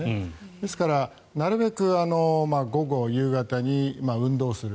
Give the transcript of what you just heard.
ですから、なるべく午後、夕方に運動をする。